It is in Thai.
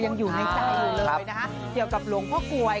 ยังอยู่ในใจอยู่เลยนะคะเกี่ยวกับหลวงพ่อกลวย